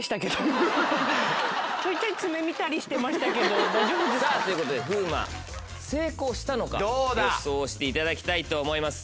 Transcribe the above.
ちょいちょい爪見たりしてましたけど。ということで風磨成功したのか予想をしていただきたいと思います。